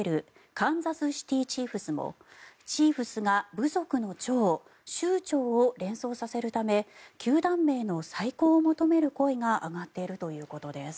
カンザスシティ・チーフスもチーフスが部族の長酋長を連想させるため球団名の再考を求める声が上がっているということです。